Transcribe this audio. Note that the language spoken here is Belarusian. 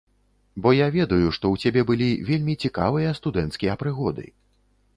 Бо я ведаю, што ў цябе былі вельмі цікавыя студэнцкія прыгоды.